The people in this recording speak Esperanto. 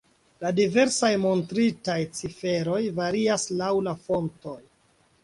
La diversaj montritaj ciferoj varias laŭ la fontoj.